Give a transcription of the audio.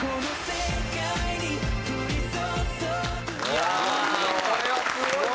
いやあこれはすごいわ！